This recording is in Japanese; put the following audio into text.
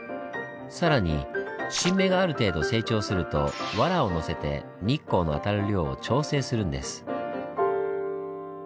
更に新芽がある程度成長すると「わら」を載せて日光の当たる量を調整するんです。